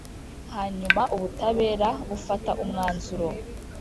hanyuma ubutabera, bufata umwanzuro